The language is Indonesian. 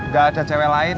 gak ada cewek lain